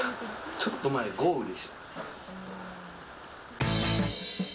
ちょっと前、豪雨でした。